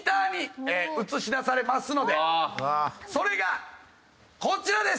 それがこちらです！